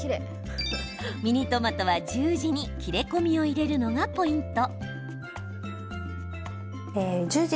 ミニトマトは十字に切れ込みを入れるのがポイント。